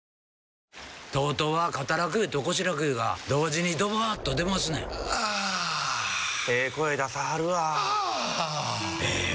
ＴＯＴＯは肩楽湯と腰楽湯が同時にドバーッと出ますねんあええ声出さはるわあええ